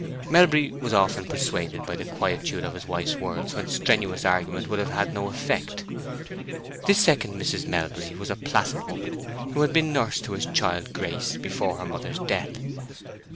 Melbury was often persuaded by the quietude of his wife's words when strenuous argument would have had no effect. This second Mrs. Melbury was a placid woman, who had been nurse to his child Grace before her mother's death.